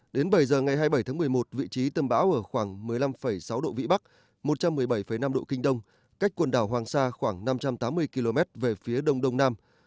đến bảy giờ ngày hai mươi bảy tháng một mươi một vị trí tâm bão ở khoảng một mươi năm sáu độ vĩ bắc một trăm một mươi bảy năm độ kinh đông cách quần đảo hoàng sa khoảng năm trăm tám mươi km về phía đông đông nam